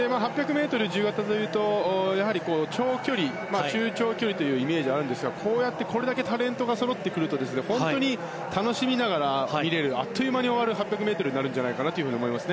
８００ｍ自由形というと中長距離というイメージがあると思いますがこうやってこれだけタレントがそろってくると本当に楽しみながら見られるあっという間に終わる８００ｍになるんじゃないかなと思います。